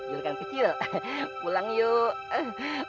juragan kecil pulang yuk